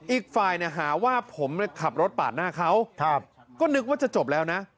อีกฝ่ายเนี่ยหาว่าผมใช้ขับรถปากหน้าเขาครับก็นึกว่าจะจบแล้วนะ